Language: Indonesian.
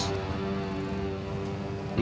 belum dateng bos